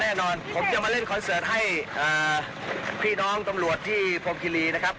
แน่นอนผมจะมาเล่นคอนเสิร์ตให้พี่น้องตำรวจที่พรมคิรีนะครับ